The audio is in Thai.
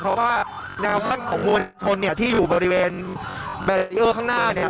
เพราะว่าแนวของมวลชนเนี่ยที่อยู่บริเวณข้างหน้าเนี่ย